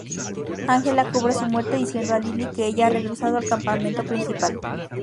Angela cubre su muerte diciendo a Lily que ella ha regresado al campamento principal.